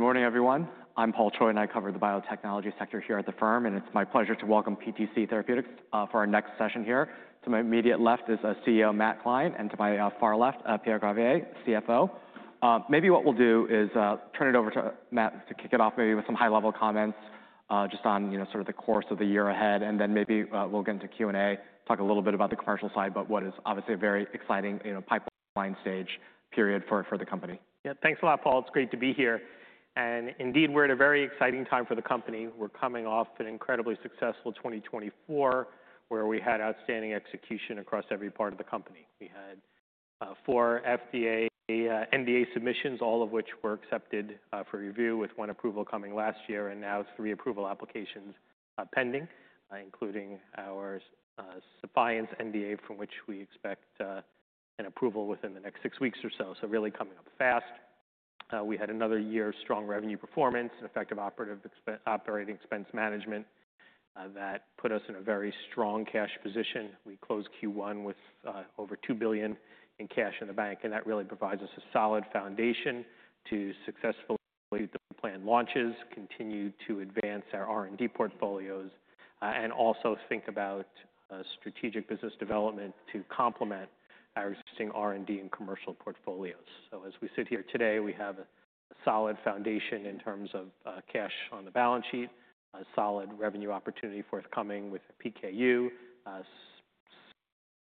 Good morning, everyone. I'm Paul and I cover the biotechnology sector here at the firm. It's my pleasure to welcome PTC Therapeutics for our next session here. To my immediate left is CEO Matthew Klein, and to my far left, Pierre Gravier, CFO. Maybe what we'll do is turn it over to Matthew to kick it off maybe with some high-level comments just on sort of the course of the year ahead. Then maybe we'll get into Q&A, talk a little bit about the commercial side, but what is obviously a very exciting pipeline stage period for the company. Yeah, thanks a lot, Paul. It's great to be here. Indeed, we're at a very exciting time for the company. We're coming off an incredibly successful 2024, where we had outstanding execution across every part of the company. We had four FDA NDA submissions, all of which were accepted for review, with one approval coming last year. Now three approval applications are pending, including our Sepiapterin NDA, from which we expect an approval within the next six weeks or so. Really coming up fast. We had another year of strong revenue performance and effective operating expense management that put us in a very strong cash position. We closed Q1 with over $2 billion in cash in the bank. That really provides us a solid foundation to successfully complete the planned launches, continue to advance our R&D portfolios, and also think about strategic business development to complement our existing R&D and commercial portfolios. As we sit here today, we have a solid foundation in terms of cash on the balance sheet, a solid revenue opportunity forthcoming with PKU,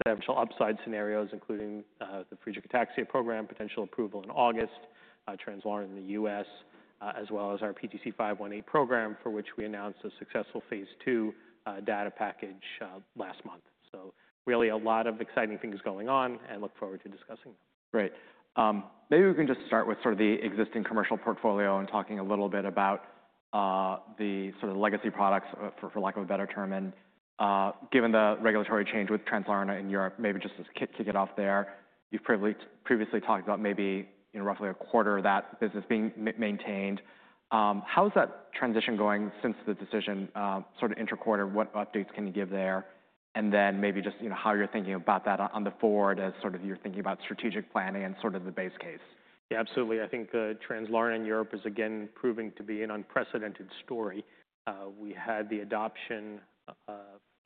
potential upside scenarios, including the Friedreich's ataxia program, potential approval in August, Translarna in the U.S., as well as our PTC 518 program, for which we announced a successful uniQure two data package last month. Really a lot of exciting things going on, and look forward to discussing them. Great. Maybe we can just start with sort of the existing commercial portfolio and talking a little bit about the sort of legacy products, for lack of a better term. Given the regulatory change with Translarna in Europe, maybe just to kick it off there, you've previously talked about maybe roughly a quarter of that business being maintained. How is that transition going since the decision sort of interquarter? What updates can you give there? Maybe just how you're thinking about that on the forward as sort of you're thinking about strategic planning and sort of the base case? Yeah, absolutely. I think Translarna in Europe is again proving to be an unprecedented story. We had the adoption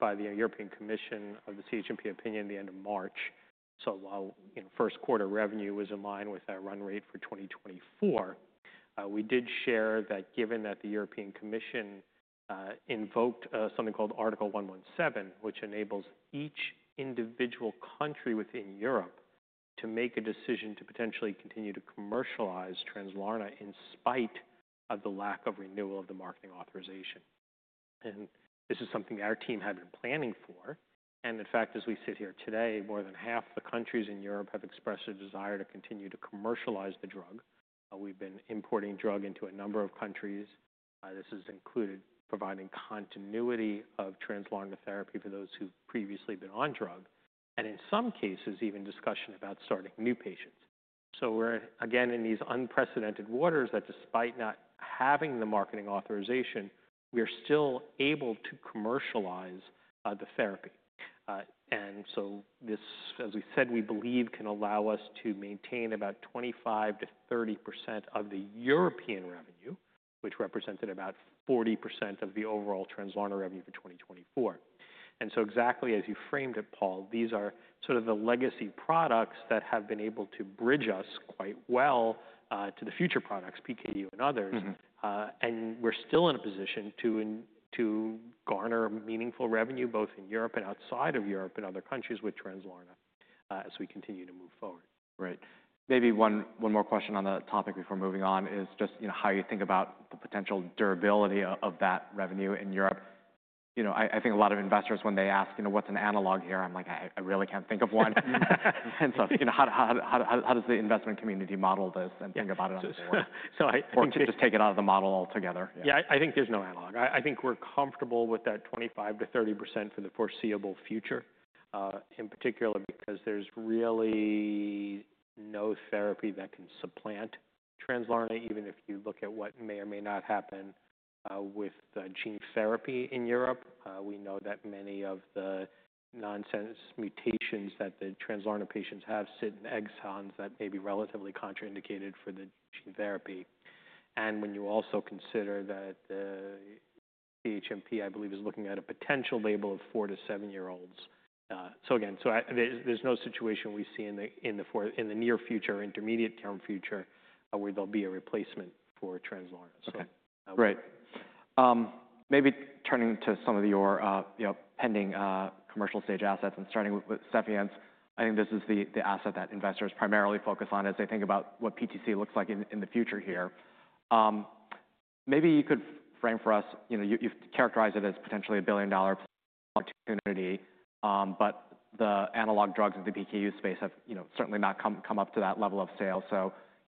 by the European Commission of the CHMP opinion at the end of March. While first quarter revenue was in line with our run rate for 2024, we did share that given that the European Commission invoked something called Article 117, which enables each individual country within Europe to make a decision to potentially continue to commercialize Translarna in spite of the lack of renewal of the marketing authorization. This is something that our team had been planning for. In fact, as we sit here today, more than half the countries in Europe have expressed a desire to continue to commercialize the drug. We've been importing drug into a number of countries. This has included providing continuity of Translarna therapy for those who've previously been on drug, and in some cases, even discussion about starting new patients. We're again in these unprecedented waters that despite not having the marketing authorization, we are still able to commercialize the therapy. This, as we said, we believe can allow us to maintain about 25%-30% of the European revenue, which represented about 40% of the overall Translarna revenue for 2024. Exactly as you framed it, Paul, these are sort of the legacy products that have been able to bridge us quite well to the future products, PKU and others. We're still in a position to garner meaningful revenue both in Europe and outside of Europe and other countries with Translarna as we continue to move forward. Right. Maybe one more question on the topic before moving on is just how you think about the potential durability of that revenue in Europe. I think a lot of investors, when they ask, what's an analog here, I'm like, I really can't think of one. How does the investment community model this and think about it? Or can you just take it out of the model altogether? Yeah, I think there's no analog. I think we're comfortable with that 25%-30% for the foreseeable future, in particular because there's really no therapy that can supplant Translarna, even if you look at what may or may not happen with gene therapy in Europe. We know that many of the nonsense mutations that the Translarna patients have sit in exons that may be relatively contraindicated for the gene therapy. When you also consider that the CHMP, I believe, is looking at a potential label of four- to seven-year-olds. Again, there's no situation we see in the near future or intermediate-term future where there'll be a replacement for Translarna. Okay. Great. Maybe turning to some of your pending commercial stage assets and starting with Sepiapterin, I think this is the asset that investors primarily focus on as they think about what PTC looks like in the future here. Maybe you could frame for us, you've characterized it as potentially a billion-dollar opportunity, but the analog drugs in the PKU space have certainly not come up to that level of sale.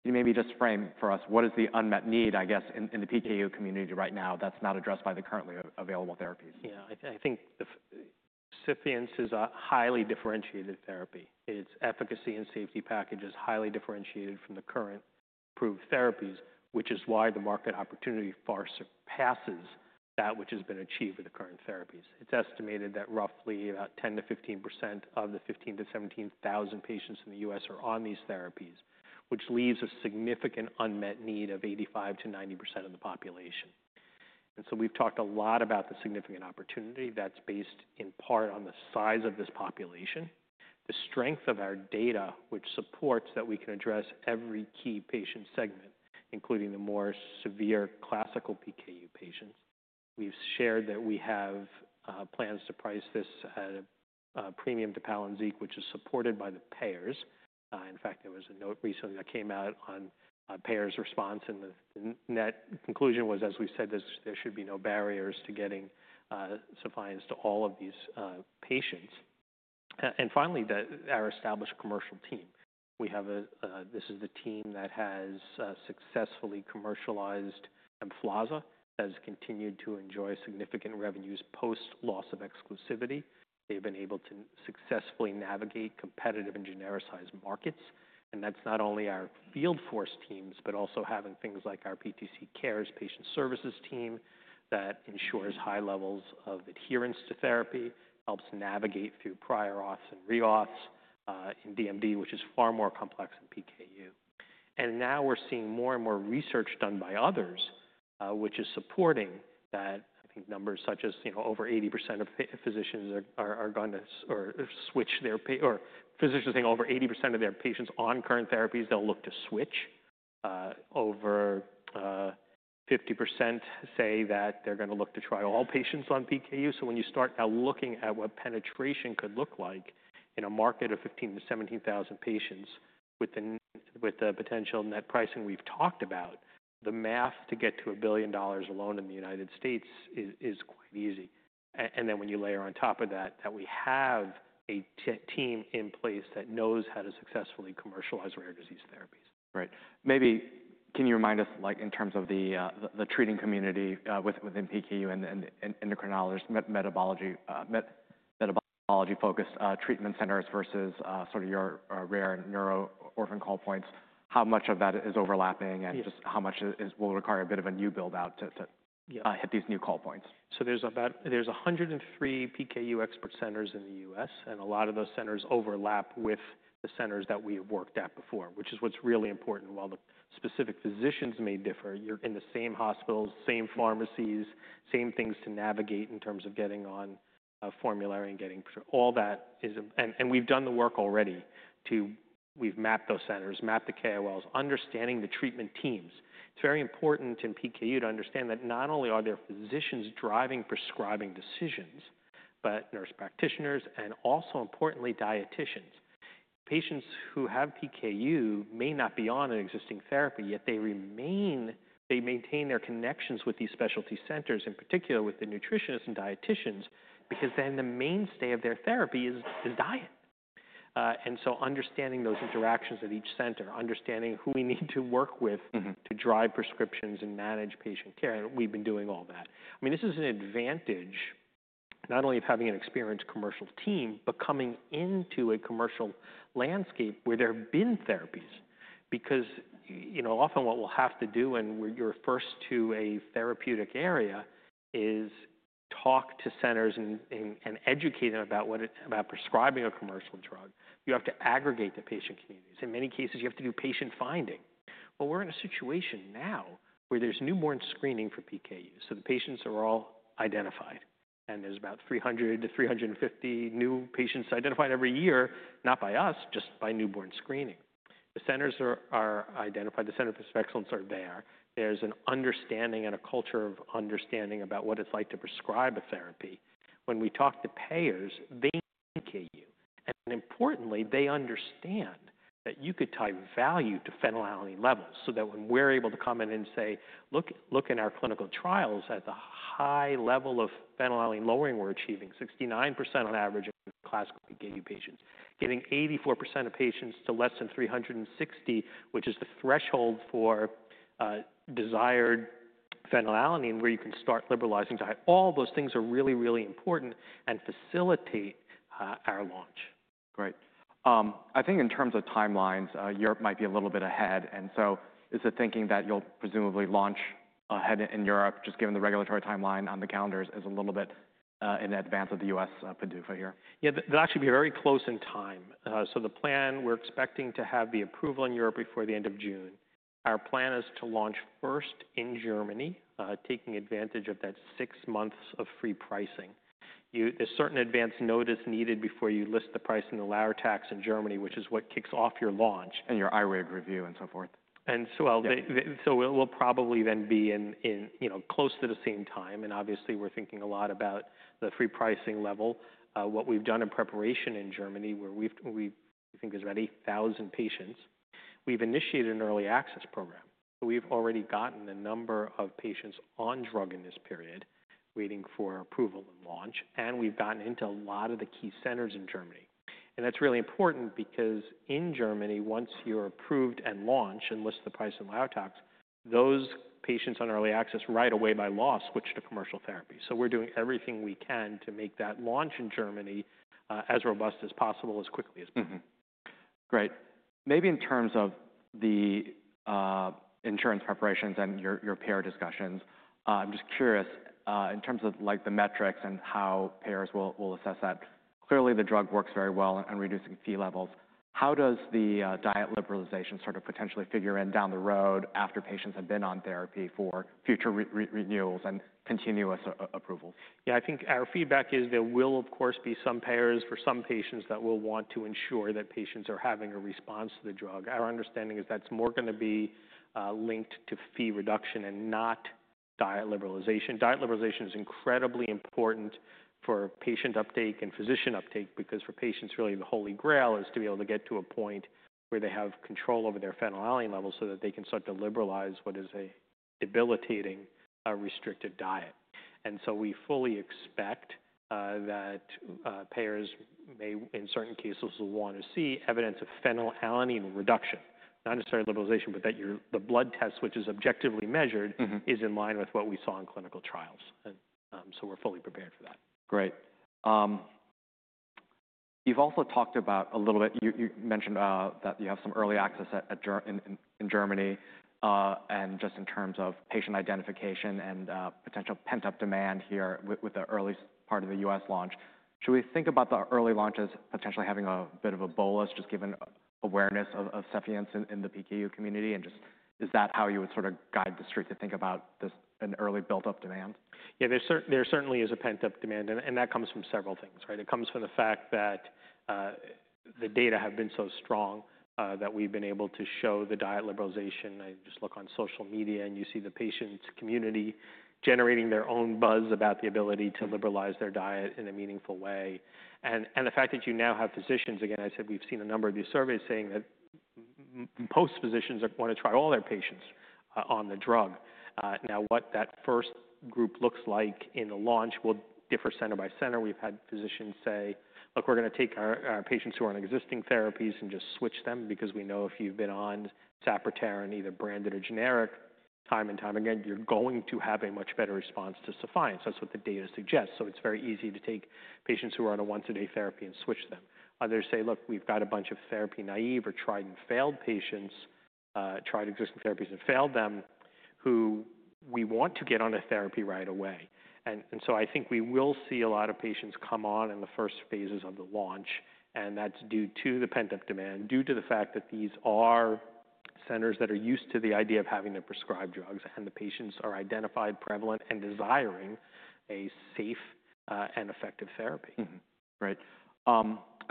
Maybe just frame for us, what is the unmet need, I guess, in the PKU community right now that's not addressed by the currently available therapies? Yeah, I think the Sepiapterin is a highly differentiated therapy. Its efficacy and safety package is highly differentiated from the current approved therapies, which is why the market opportunity far surpasses that which has been achieved with the current therapies. It's estimated that roughly about 10% to 15% of the 15,000-17,000 patients in the U.S. are on these therapies, which leaves a significant unmet need of 85% to 90% of the population. We've talked a lot about the significant opportunity that's based in part on the size of this population, the strength of our data, which supports that we can address every key patient segment, including the more severe classical PKU patients. We've shared that we have plans to price this at a premium to Palynziq, which is supported by the payers. In fact, there was a note recently that came out on payers' response, and the net conclusion was, as we said, there should be no barriers to getting supplies to all of these patients. Finally, our established commercial team. This is the team that has successfully commercialized Emflaza, has continued to enjoy significant revenues post loss of exclusivity. They've been able to successfully navigate competitive and genericized markets. That's not only our field force teams, but also having things like our PTC Cares patient services team that ensures high levels of adherence to therapy, helps navigate through prior auths and reauths in DMD, which is far more complex than PKU. Now we're seeing more and more research done by others, which is supporting that. I think numbers such as over 80% of physicians are going to switch their, or physicians think over 80% of their patients on current therapies, they'll look to switch. Over 50% say that they're going to look to try all patients on PKU. When you start now looking at what penetration could look like in a market of 15,000-17,000 patients with the potential net pricing we've talked about, the math to get to a billion dollars alone in the United States is quite easy. When you layer on top of that, that we have a team in place that knows how to successfully commercialize rare disease therapies. Right. Maybe can you remind us in terms of the treating community within PKU and endocrinologist metabology focused treatment centers versus sort of your rare neuro orphan call points, how much of that is overlapping and just how much will require a bit of a new build-out to hit these new call points? There are 103 PKU expert centers in the U.S., and a lot of those centers overlap with the centers that we have worked at before, which is what's really important. While the specific physicians may differ, you're in the same hospitals, same pharmacies, same things to navigate in terms of getting on formulary and getting all that. We've done the work already to, we've mapped those centers, mapped the KOLs, understanding the treatment teams. It's very important in PKU to understand that not only are there physicians driving prescribing decisions, but nurse practitioners and also importantly, dieticians. Patients who have PKU may not be on an existing therapy, yet they maintain their connections with these specialty centers, in particular with the nutritionists and dieticians, because the mainstay of their therapy is diet. Understanding those interactions at each center, understanding who we need to work with to drive prescriptions and manage patient care, and we've been doing all that. I mean, this is an advantage not only of having an experienced commercial team, but coming into a commercial landscape where there have been therapies. Because often what we'll have to do when you're first to a therapeutic area is talk to centers and educate them about prescribing a commercial drug. You have to aggregate the patient communities. In many cases, you have to do patient finding. We're in a situation now where there's newborn screening for PKU. The patients are all identified, and there's about 300-350 new patients identified every year, not by us, just by newborn screening. The centers are identified, the Centers of Excellence are there. There's an understanding and a culture of understanding about what it's like to prescribe a therapy. When we talk to payers, they educate you. And importantly, they understand that you could tie value to phenylalanine levels so that when we're able to come in and say, look at our clinical trials at the high level of phenylalanine lowering, we're achieving 69% on average in classical PKU patients, getting 84% of patients to less than 360, which is the threshold for desired phenylalanine where you can start liberalizing diet. All those things are really, really important and facilitate our launch. Great. I think in terms of timelines, Europe might be a little bit ahead. Is the thinking that you'll presumably launch ahead in Europe, just given the regulatory timeline on the calendars is a little bit in advance of the U.S. PDUFA here? Yeah, they'll actually be very close in time. The plan, we're expecting to have the approval in Europe before the end of June. Our plan is to launch first in Germany, taking advantage of that six months of free pricing. There is certain advance notice needed before you list the price in the LAR tax in Germany, which is what kicks off your launch. Your IRAG review and so forth. We will probably then be close to the same time. Obviously, we're thinking a lot about the free pricing level. What we've done in preparation in Germany, where we think there's about 8,000 patients, is we've initiated an early access program. We've already gotten a number of patients on drug in this period waiting for approval and launch. We've gotten into a lot of the key centers in Germany. That is really important because in Germany, once you're approved and launch and list the price in LAR Tax, those patients on early access right away by law switch to commercial therapy. We're doing everything we can to make that launch in Germany as robust as possible as quickly as possible. Great. Maybe in terms of the insurance preparations and your payer discussions, I'm just curious in terms of the metrics and how payers will assess that. Clearly, the drug works very well in reducing Phe levels. How does the diet liberalization sort of potentially figure in down the road after patients have been on therapy for future renewals and continuous approvals? Yeah, I think our feedback is there will, of course, be some payers for some patients that will want to ensure that patients are having a response to the drug. Our understanding is that's more going to be linked to fee reduction and not diet liberalization. Diet liberalization is incredibly important for patient uptake and physician uptake because for patients, really the holy grail is to be able to get to a point where they have control over their phenylalanine levels so that they can start to liberalize what is a debilitating restricted diet. We fully expect that payers may, in certain cases, want to see evidence of phenylalanine reduction, not necessarily liberalization, but that the blood test, which is objectively measured, is in line with what we saw in clinical trials. We are fully prepared for that. Great. You've also talked about a little bit, you mentioned that you have some early access in Germany and just in terms of patient identification and potential pent-up demand here with the early part of the U.S. launch. Should we think about the early launches potentially having a bit of a bolus, just given awareness of sepiapterin in the PKU community? And just is that how you would sort of guide the street to think about an early built-up demand? Yeah, there certainly is a pent-up demand, and that comes from several things, right? It comes from the fact that the data have been so strong that we've been able to show the diet liberalization. I just look on social media and you see the patients' community generating their own buzz about the ability to liberalize their diet in a meaningful way. The fact that you now have physicians, again, I said we've seen a number of these surveys saying that most physicians are going to try all their patients on the drug. Now, what that first group looks like in the launch will differ center by center. We've had physicians say, look, we're going to take our patients who are on existing therapies and just switch them because we know if you've been on sapropterin, either branded or generic, time and time again, you're going to have a much better response to sepiapterin. That's what the data suggests. It is very easy to take patients who are on a once-a-day therapy and switch them. Others say, look, we've got a bunch of therapy-naive or tried-and-failed patients, tried existing therapies and failed them, who we want to get on a therapy right away. I think we will see a lot of patients come on in the first phases of the launch, and that's due to the pent-up demand, due to the fact that these are centers that are used to the idea of having to prescribe drugs and the patients are identified, prevalent, and desiring a safe and effective therapy. Right. I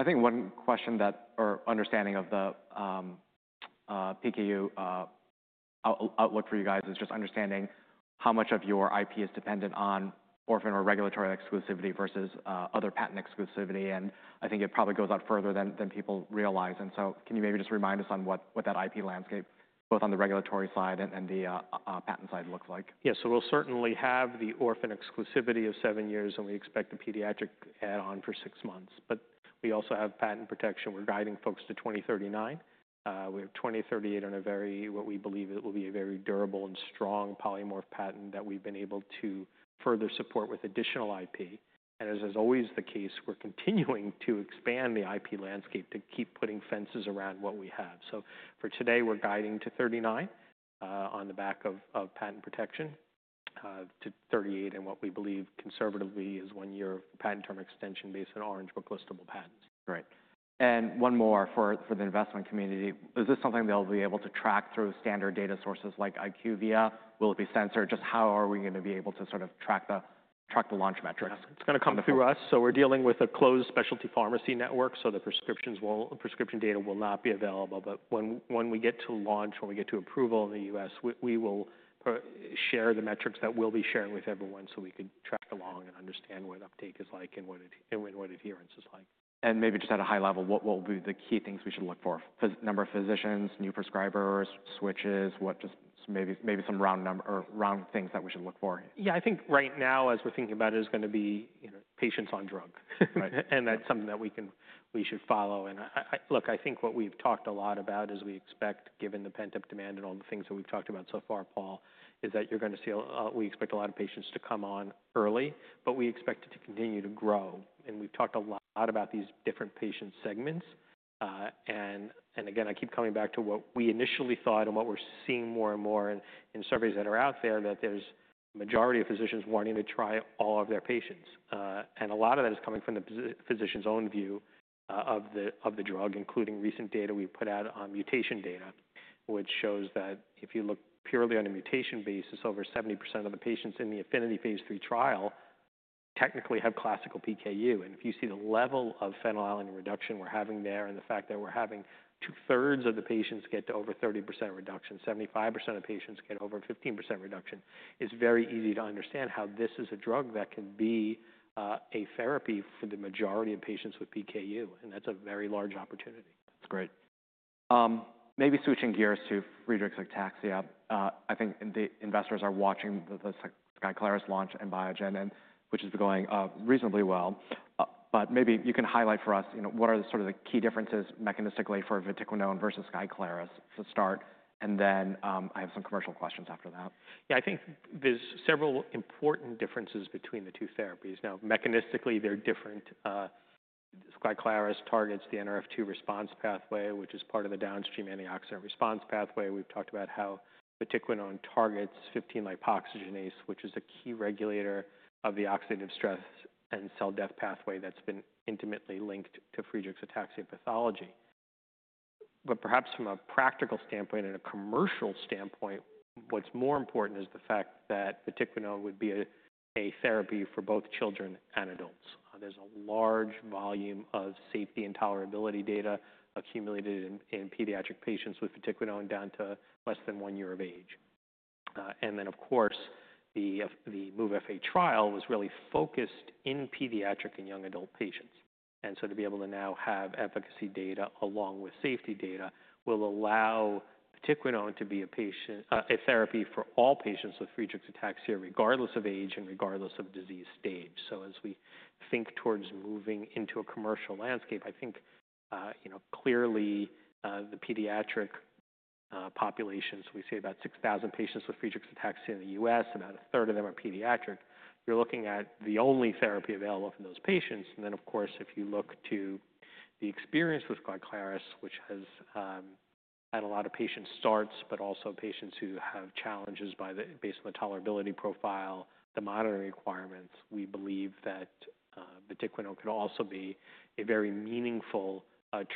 think one question that, or understanding of the PKU outlook for you guys is just understanding how much of your IP is dependent on orphan or regulatory exclusivity versus other patent exclusivity. I think it probably goes out further than people realize. Can you maybe just remind us on what that IP landscape, both on the regulatory side and the patent side, looks like? Yeah, so we'll certainly have the orphan exclusivity of seven years, and we expect the pediatric add-on for six months. We also have patent protection. We're guiding folks to 2039. We have 2038 on a very, what we believe will be a very durable and strong polymorph patent that we've been able to further support with additional IP. As is always the case, we're continuing to expand the IP landscape to keep putting fences around what we have. For today, we're guiding to 2039 on the back of patent protection to 2038 and what we believe conservatively is one year of patent term extension based on Orange Book list of patents. Right. And one more for the investment community. Is this something they'll be able to track through standard data sources like IQVIA? Will it be censored? Just how are we going to be able to sort of track the launch metrics? It's going to come through us. We're dealing with a closed specialty pharmacy network. The prescription data will not be available. When we get to launch, when we get to approval in the U.S., we will share the metrics that we'll be sharing with everyone so we could track along and understand what uptake is like and what adherence is like. Maybe just at a high level, what will be the key things we should look for? Number of physicians, new prescribers, switches, maybe some round things that we should look for? Yeah, I think right now, as we're thinking about it, it's going to be patients on drug. That's something that we should follow. Look, I think what we've talked a lot about is we expect, given the pent-up demand and all the things that we've talked about so far, Paul, you're going to see we expect a lot of patients to come on early, but we expect it to continue to grow. We've talked a lot about these different patient segments. Again, I keep coming back to what we initially thought and what we're seeing more and more in surveys that are out there, that there's a majority of physicians wanting to try all of their patients. A lot of that is coming from the physician's own view of the drug, including recent data we put out on mutation data, which shows that if you look purely on a mutation basis, over 70% of the patients in the affinity phase three trial technically have classical PKU. If you see the level of phenylalanine reduction we're having there and the fact that we're having two-thirds of the patients get to over 30% reduction, 75% of patients get over 15% reduction, it's very easy to understand how this is a drug that can be a therapy for the majority of patients with PKU. That's a very large opportunity. That's great. Maybe switching gears to free drugs like ataxia, I think the investors are watching the Skyclarys launch and Biogen, which has been going reasonably well. Maybe you can highlight for us what are sort of the key differences mechanistically for vatiquinone versus Skyclarys to start? I have some commercial questions after that. Yeah, I think there's several important differences between the two therapies. Now, mechanistically, they're different. Skyclarys targets the NRF2 response pathway, which is part of the downstream antioxidant response pathway. We've talked about how vatiquinone targets 15-lipoxygenase, which is a key regulator of the oxidative stress and cell death pathway that's been intimately linked to Friedreich's ataxia pathology. Perhaps from a practical standpoint and a commercial standpoint, what's more important is the fact that vatiquinone would be a therapy for both children and adults. There's a large volume of safety and tolerability data accumulated in pediatric patients with vatiquinone down to less than one year of age. Of course, the MOVE-FA trial was really focused in pediatric and young adult patients. To be able to now have efficacy data along with safety data will allow vatiquinone to be a therapy for all patients with Friedreich's ataxia, regardless of age and regardless of disease stage. As we think towards moving into a commercial landscape, I think clearly the pediatric populations, we see about 6,000 patients with Friedreich's ataxia in the U.S., about a third of them are pediatric. You're looking at the only therapy available for those patients. If you look to the experience with Skyclarys, which has had a lot of patient starts, but also patients who have challenges based on the tolerability profile, the monitoring requirements, we believe that vatiquinone could also be a very meaningful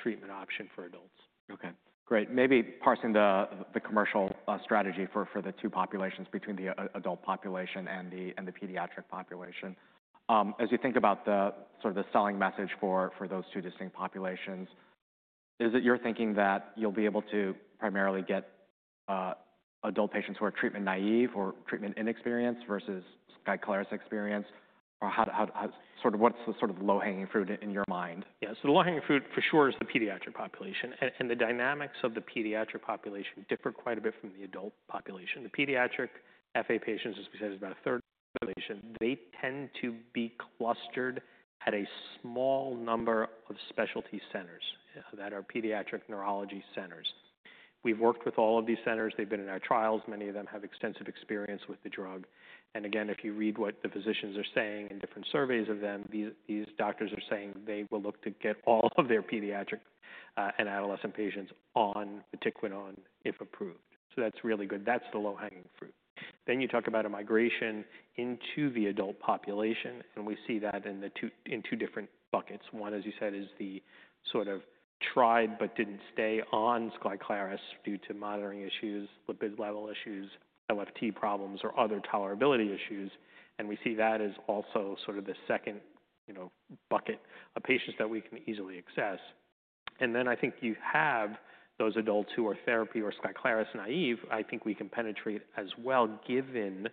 treatment option for adults. Okay. Great. Maybe parsing the commercial strategy for the two populations between the adult population and the pediatric population. As you think about sort of the selling message for those two distinct populations, is it your thinking that you'll be able to primarily get adult patients who are treatment naive or treatment inexperienced versus Skyclarys experience? Or sort of what's the sort of low-hanging fruit in your mind? Yeah, so the low-hanging fruit for sure is the pediatric population. The dynamics of the pediatric population differ quite a bit from the adult population. The pediatric FA patients, as we said, is about a third of the population. They tend to be clustered at a small number of specialty centers that are pediatric neurology centers. We've worked with all of these centers. They've been in our trials. Many of them have extensive experience with the drug. Again, if you read what the physicians are saying in different surveys of them, these doctors are saying they will look to get all of their pediatric and adolescent patients on vatiquinone if approved. That's really good. That's the low-hanging fruit. You talk about a migration into the adult population, and we see that in two different buckets. One, as you said, is the sort of tried but did not stay on Skyclarys due to monitoring issues, lipid level issues, LFT problems, or other tolerability issues. We see that as also sort of the second bucket of patients that we can easily access. I think you have those adults who are therapy or Skyclarys naive. I think we can penetrate as well, given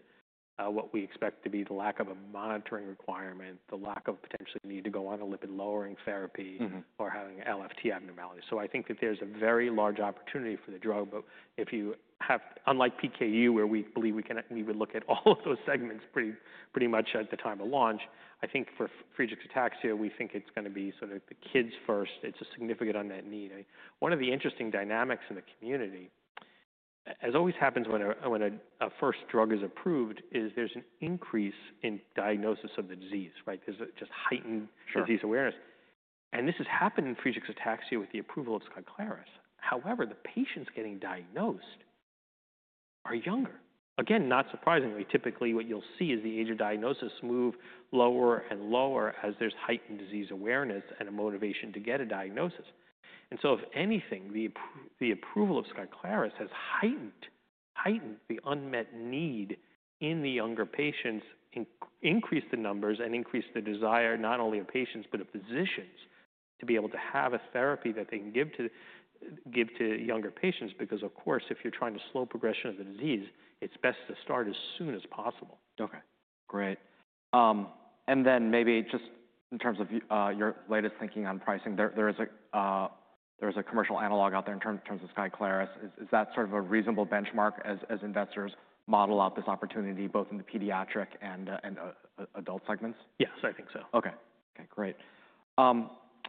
what we expect to be the lack of a monitoring requirement, the lack of potentially need to go on a lipid-lowering therapy or having LFT abnormalities. I think that there is a very large opportunity for the drug. If you have, unlike PKU, where we believe we would look at all of those segments pretty much at the time of launch, I think for Friedreich's ataxia, we think it is going to be sort of the kids first. It's a significant unmet need. One of the interesting dynamics in the community, as always happens when a first drug is approved, is there's an increase in diagnosis of the disease, right? There's just heightened disease awareness. This has happened in Friedreich's ataxia with the approval of Skyclarys. However, the patients getting diagnosed are younger. Again, not surprisingly, typically what you'll see is the age of diagnosis move lower and lower as there's heightened disease awareness and a motivation to get a diagnosis. If anything, the approval of Skyclarys has heightened the unmet need in the younger patients, increased the numbers, and increased the desire not only of patients, but of physicians to be able to have a therapy that they can give to younger patients. Because, of course, if you're trying to slow progression of the disease, it's best to start as soon as possible. Okay. Great. Maybe just in terms of your latest thinking on pricing, there's a commercial analog out there in terms of Skyclarys. Is that sort of a reasonable benchmark as investors model out this opportunity both in the pediatric and adult segments? Yes, I think so. Okay. Okay. Great.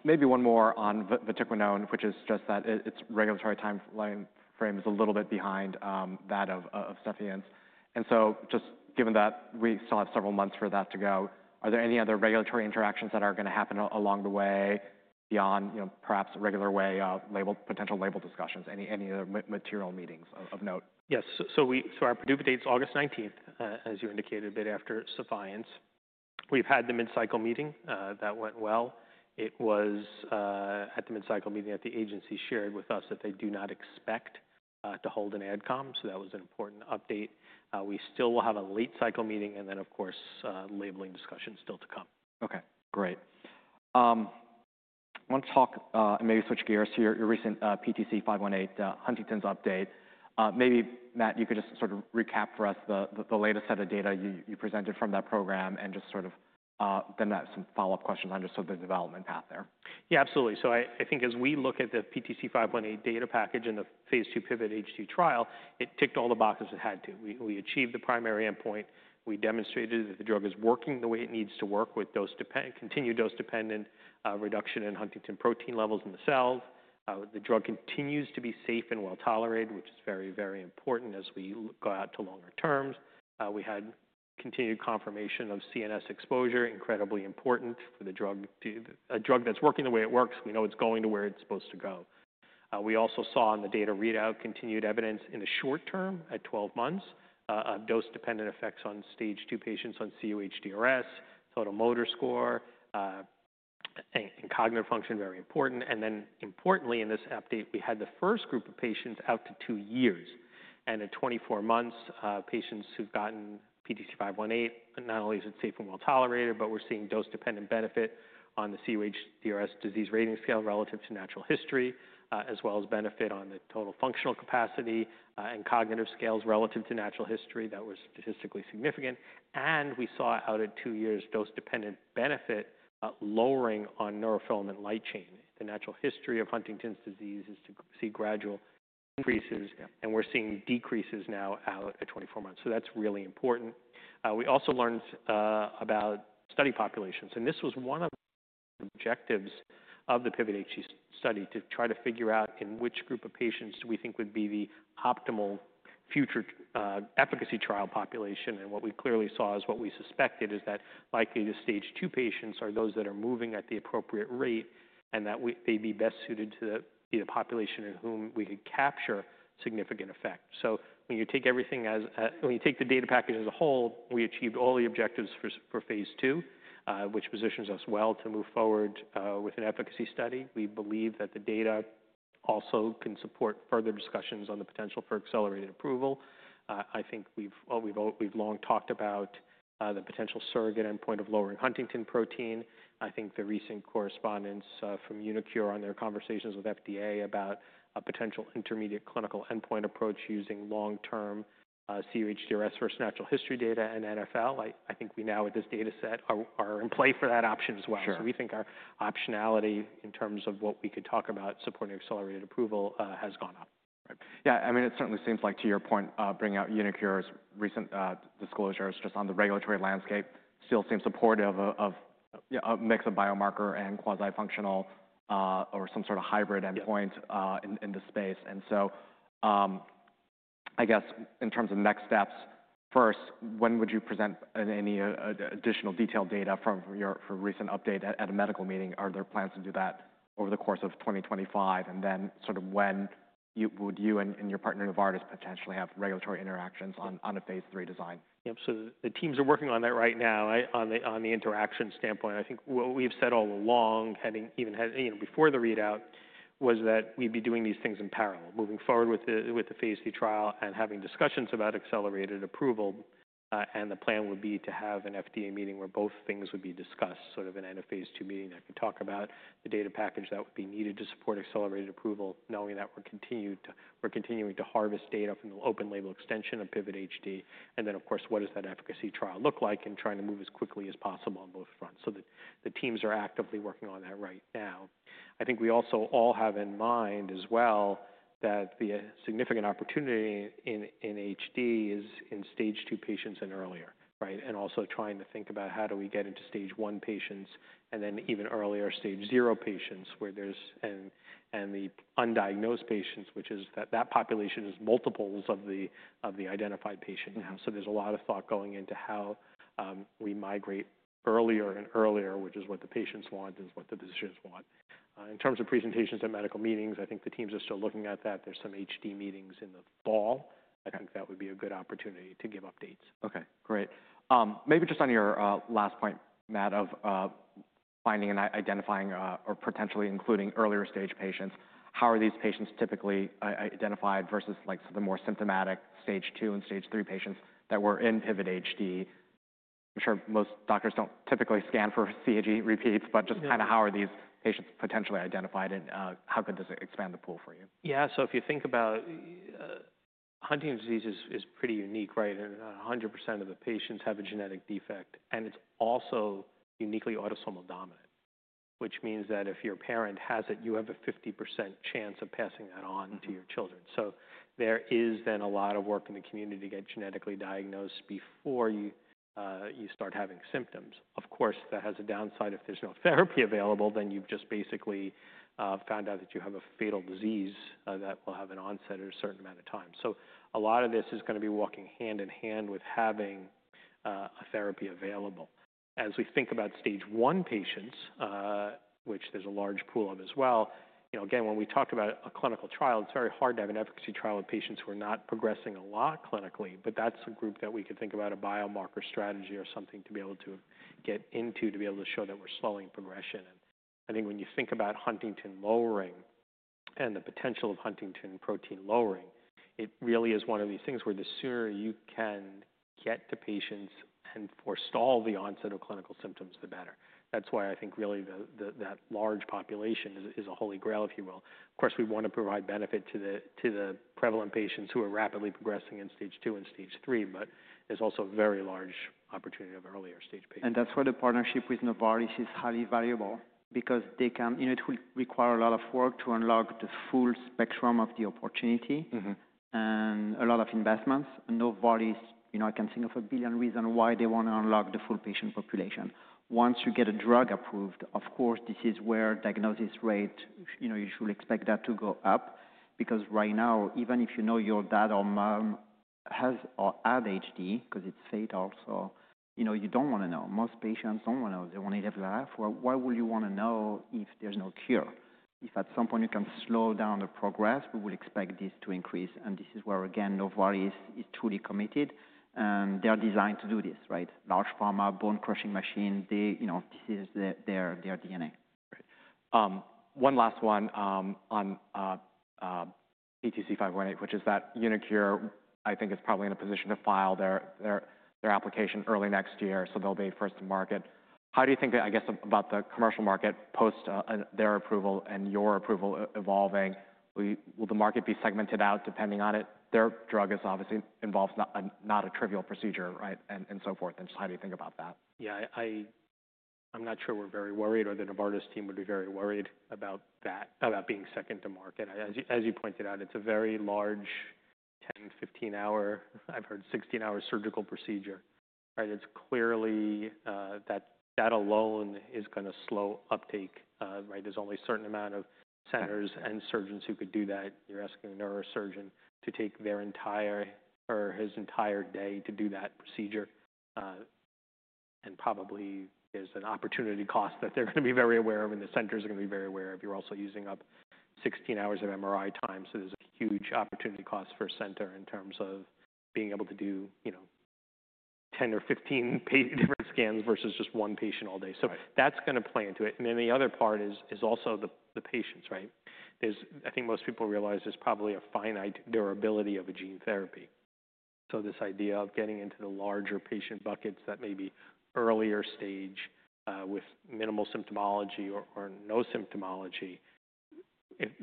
Maybe one more on Vatiquinone, which is just that its regulatory timeframe is a little bit behind that of Sepiapterin. And so just given that we still have several months for that to go, are there any other regulatory interactions that are going to happen along the way beyond perhaps regular way potential label discussions? Any other material meetings of note? Yes. Our PDUFA date is August 19, as you indicated, a bit after Suffice. We have had the mid-cycle meeting. That went well. It was at the mid-cycle meeting that the agency shared with us that they do not expect to hold an adcom. That was an important update. We still will have a late-cycle meeting and then, of course, labeling discussion still to come. Okay. Great. I want to talk and maybe switch gears to your recent PTC 518 Huntington's update. Maybe, Matt, you could just sort of recap for us the latest set of data you presented from that program and just sort of then some follow-up questions on just sort of the development path there. Yeah, absolutely. I think as we look at the PTC 518 data package and the phase II PIVOT H2 trial, it ticked all the boxes it had to. We achieved the primary endpoint. We demonstrated that the drug is working the way it needs to work with continued dose-dependent reduction in Huntington protein levels in the cells. The drug continues to be safe and well tolerated, which is very, very important as we go out to longer terms. We had continued confirmation of CNS exposure, incredibly important for the drug. A drug that's working the way it works, we know it's going to where it's supposed to go. We also saw in the data readout continued evidence in the short term at 12 months of dose-dependent effects on stage two patients on CUHDRS, throat motor score, and cognitive function, very important. Importantly, in this update, we had the first group of patients out to two years. At 24 months, patients who have gotten PTC 518, not only is it safe and well tolerated, but we are seeing dose-dependent benefit on the CUHDRS disease rating scale relative to natural history, as well as benefit on the total functional capacity and cognitive scales relative to natural history that were statistically significant. We saw out at two years dose-dependent benefit lowering on neurofilament light chain. The natural history of Huntington's disease is to see gradual increases, and we are seeing decreases now out at 24 months. That is really important. We also learned about study populations. This was one of the objectives of the PIVOT H2 study, to try to figure out in which group of patients we think would be the optimal future efficacy trial population. What we clearly saw is what we suspected is that likely the stage two patients are those that are moving at the appropriate rate and that they'd be best suited to the population in whom we could capture significant effect. When you take the data package as a whole, we achieved all the objectives for phase two, which positions us well to move forward with an efficacy study. We believe that the data also can support further discussions on the potential for accelerated approval. I think we've long talked about the potential surrogate endpoint of lowering Huntington protein. I think the recent correspondence from uniQure on their conversations with FDA about a potential intermediate clinical endpoint approach using long-term CUHDRS versus natural history data and NfL. I think we now, with this data set, are in play for that option as well. We think our optionality in terms of what we could talk about supporting accelerated approval has gone up. Yeah. I mean, it certainly seems like, to your point, bringing out uniQure's recent disclosures just on the regulatory landscape still seems supportive of a mix of biomarker and quasi-functional or some sort of hybrid endpoint in the space. I guess in terms of next steps, first, when would you present any additional detailed data from your recent update at a medical meeting? Are there plans to do that over the course of 2025? Then sort of when would you and your partner, Novartis, potentially have regulatory interactions on a phase III design? Yep. The teams are working on that right now on the interaction standpoint. I think what we've said all along, even before the readout, was that we'd be doing these things in parallel, moving forward with the phase III trial and having discussions about accelerated approval. The plan would be to have an FDA meeting where both things would be discussed, sort of in a phase II meeting. I could talk about the data package that would be needed to support accelerated approval, knowing that we're continuing to harvest data from the open label extension of PIVOT HD. Of course, what does that efficacy trial look like and trying to move as quickly as possible on both fronts so that the teams are actively working on that right now. I think we also all have in mind as well that the significant opportunity in HD is in stage two patients and earlier, right? Also trying to think about how do we get into stage one patients and then even earlier stage zero patients where there is, and the undiagnosed patients, which is, that population is multiples of the identified patient now. There is a lot of thought going into how we migrate earlier and earlier, which is what the patients want and what the physicians want. In terms of presentations at medical meetings, I think the teams are still looking at that. There are some HD meetings in the fall. I think that would be a good opportunity to give updates. Okay. Great. Maybe just on your last point, Matt, of finding and identifying or potentially including earlier stage patients, how are these patients typically identified versus the more symptomatic stage two and stage three patients that were in PIVOT HD? I'm sure most doctors don't typically scan for CAG repeats, but just kind of how are these patients potentially identified and how could this expand the pool for you? Yeah. If you think about Huntington's disease, it is pretty unique, right? And 100% of the patients have a genetic defect. It is also uniquely autosomal dominant, which means that if your parent has it, you have a 50% chance of passing that on to your children. There is then a lot of work in the community to get genetically diagnosed before you start having symptoms. Of course, that has a downside. If there is no therapy available, then you have just basically found out that you have a fatal disease that will have an onset at a certain amount of time. A lot of this is going to be walking hand in hand with having a therapy available. As we think about stage one patients, which there's a large pool of as well, again, when we talk about a clinical trial, it's very hard to have an efficacy trial with patients who are not progressing a lot clinically, but that's a group that we could think about a biomarker strategy or something to be able to get into to be able to show that we're slowing progression. I think when you think about Huntington lowering and the potential of Huntington protein lowering, it really is one of these things where the sooner you can get to patients and forestall the onset of clinical symptoms, the better. That's why I think really that large population is a holy grail, if you will. Of course, we want to provide benefit to the prevalent patients who are rapidly progressing in stage two and stage three, but there's also a very large opportunity of earlier stage patients. That is where the partnership with Novartis is highly valuable because it will require a lot of work to unlock the full spectrum of the opportunity and a lot of investments. Novartis, I can think of a billion reasons why they want to unlock the full patient population. Once you get a drug approved, of course, this is where diagnosis rate, you should expect that to go up because right now, even if you know your dad or mom has or had HD because it is fatal, you do not want to know. Most patients do not want to know. They want to live their life. Why would you want to know if there is no cure? If at some point you can slow down the progress, we will expect this to increase. This is where, again, Novartis is truly committed. They are designed to do this, right? Large pharma, bone-crushing machine. This is their DNA. Great. One last one on PTC 518, which is that uniQure, I think, is probably in a position to file their application early next year. They will be first to market. How do you think, I guess, about the commercial market post their approval and your approval evolving? Will the market be segmented out depending on it? Their drug obviously involves not a trivial procedure, right? And so forth. Just how do you think about that? Yeah. I'm not sure we're very worried or the Novartis team would be very worried about that, about being second to market. As you pointed out, it's a very large 10-15-hour, I've heard 16-hour surgical procedure, right? It's clearly that alone is going to slow uptake, right? There's only a certain amount of centers and surgeons who could do that. You're asking a neurosurgeon to take his entire day to do that procedure. Probably there's an opportunity cost that they're going to be very aware of, and the center is going to be very aware of. You're also using up 16 hours of MRI time. There's a huge opportunity cost for a center in terms of being able to do 10 or 15 different scans versus just one patient all day. That's going to play into it. The other part is also the patients, right? I think most people realize there's probably a finite durability of a gene therapy. This idea of getting into the larger patient buckets that may be earlier stage with minimal symptomology or no symptomology,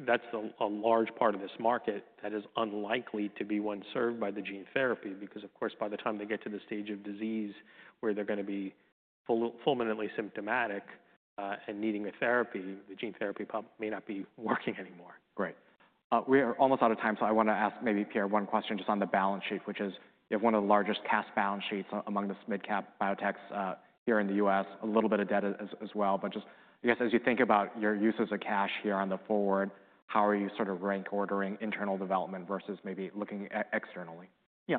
that's a large part of this market that is unlikely to be one served by the gene therapy because, of course, by the time they get to the stage of disease where they're going to be fulminantly symptomatic and needing a therapy, the gene therapy may not be working anymore. Right. We are almost out of time. I want to ask maybe, Pierre, one question just on the balance sheet, which is you have one of the largest cash balance sheets among the mid-cap biotechs here in the U.S., a little bit of debt as well. Just, I guess, as you think about your uses of cash here on the forward, how are you sort of rank-ordering internal development versus maybe looking externally? Yeah.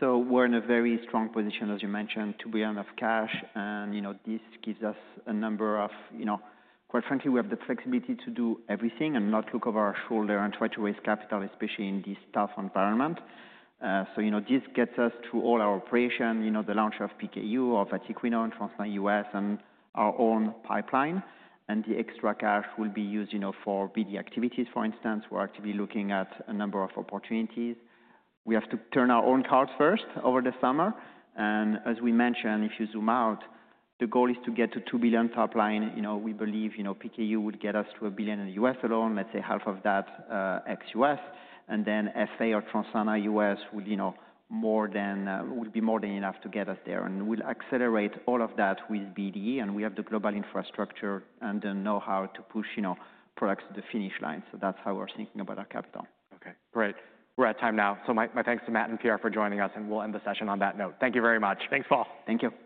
We are in a very strong position, as you mentioned, to be on a lot of cash. This gives us a number of, quite frankly, we have the flexibility to do everything and not look over our shoulder and try to raise capital, especially in this tough environment. This gets us through all our operations, the launch of PKU, of vatiquinone, and Translarna U.S., and our own pipeline. The extra cash will be used for BD activities, for instance. We are actively looking at a number of opportunities. We have to turn our own cards first over the summer. As we mentioned, if you zoom out, the goal is to get to $2 billion top line. We believe PKU would get us to $1 billion in the U.S. alone, let's say half of that ex-U.S. FA or Translarna U.S. would be more than enough to get us there. We'll accelerate all of that with BD. We have the global infrastructure and the know-how to push products to the finish line. That's how we're thinking about our capital. Okay. Great. We're at time now. So my thanks to Matt and Pierre for joining us. And we'll end the session on that note. Thank you very much. Thanks, Paul. Thank you.